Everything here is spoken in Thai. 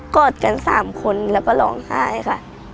อดกัน๓คนแล้วก็ร้องไห้ค่ะ